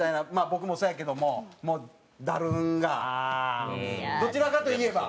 僕もそうやけどももうだるーんがどちらかといえば？